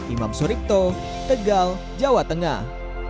imam suripto tegal jawa tengah